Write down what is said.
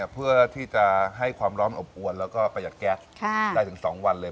เพื่อที่จะให้ความร้อนอบอวนแล้วก็ประหยัดแก๊สได้ถึง๒วันเลย